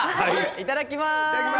いただきます。